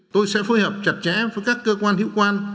tôi sẽ phối hợp chặt chẽ với các cơ quan hữu quan